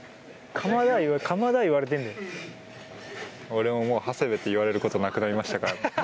俺ももう長谷部って言われることはなくなりましたから。